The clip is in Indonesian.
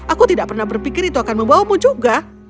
aku tidak pernah berpikir itu akan membawamu juga